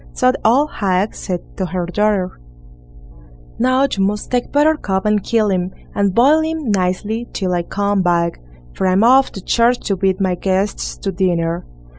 So the old hag said to her daughter: "Now you must take Buttercup and kill him, and boil him nicely till I come back, for I'm off to church to bid my guests to dinner."